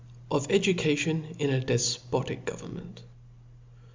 Of 'Education in a dejpotic Government.